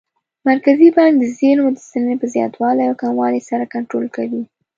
مرکزي بانک د زېرمو د سلنې په زیاتوالي او کموالي سره کنټرول کوي.